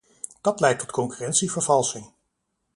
Dat leidt tot concurrentievervalsing.